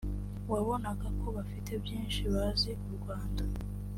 wabonaga ko bafite byinshi bazi ku Rwanda